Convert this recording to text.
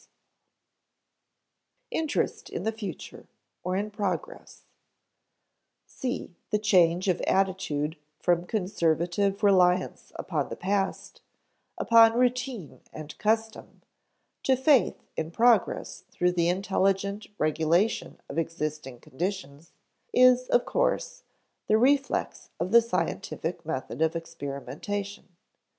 [Sidenote: Interest in the future or in progress] (c) The change of attitude from conservative reliance upon the past, upon routine and custom, to faith in progress through the intelligent regulation of existing conditions, is, of course, the reflex of the scientific method of experimentation.